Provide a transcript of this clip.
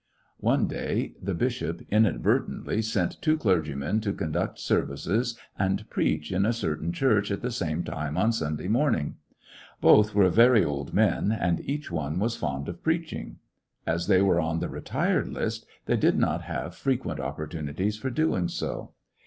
One day the bishop inadvertently sent two The rivals clergymen to conduct services and preach in a certain church at the same time on Sunday morning. Both were very old men, and each one was fond of preaching. As they were on the retired list, they did not have frequent opportunities for doing so.